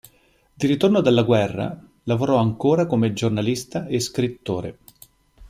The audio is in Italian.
Di ritorno dalla guerra lavorò ancora come giornalista e scrittore.